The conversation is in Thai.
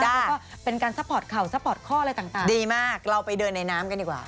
แล้วก็เป็นการซัพพอร์ตเข่าซัพพอร์ตข้ออะไรต่างดีมากเราไปเดินในน้ำกันดีกว่า